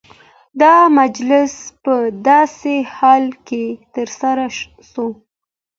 دا مجلس په داسي حال کي ترسره سو،